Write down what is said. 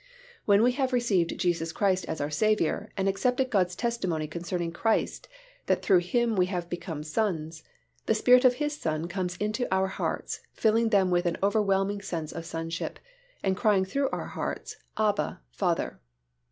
When we have received Jesus Christ as our Saviour and accepted God's testimony concerning Christ that through Him we have become sons, the Spirit of His Son comes into our hearts filling them with an overwhelming sense of sonship, and crying through our hearts, "Abba, Father."